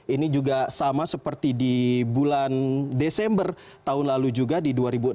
ini juga sama seperti di bulan desember tahun lalu juga di dua ribu enam belas